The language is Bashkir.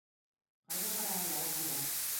Ҡайҙа бараһың алаҡандап?!